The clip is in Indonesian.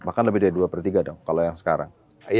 bahkan lebih dari dua per tiga dong kalau yang sekarang